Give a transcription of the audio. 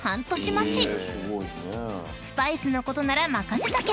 ［スパイスのことなら任せとけ！